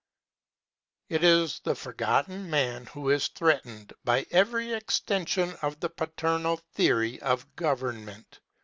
It is the Forgotten Man who is threatened by every extension of the paternal theory of government.